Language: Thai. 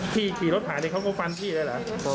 พี่ที่รถถ่ายเป็นเขาก็ปันพี่ได้หรอ